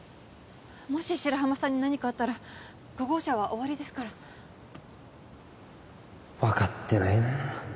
もし白浜さんに何かあったら５号車は終わりですから分かってないなあ